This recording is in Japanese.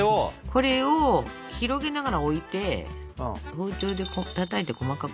これを広げながら置いて包丁でたたいて細かくしていくと。